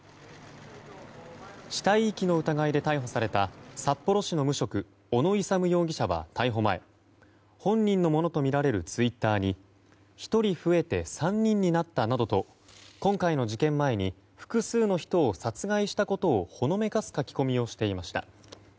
死体遺棄の疑いで逮捕された札幌市の無職小野勇容疑者は、逮捕前本人のものとみられるツイッターに１人増えて３人になったなどと今回の事件前に複数の人を殺害したことをほのめかす書き込みをしていました。